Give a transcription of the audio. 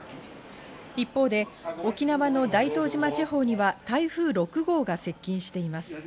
一方で沖縄の大東島地方には台風６号が接近しています。